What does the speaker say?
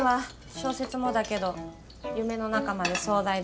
小説もだけど夢の中まで壮大で。